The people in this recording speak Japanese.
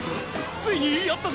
ついにやったぞ！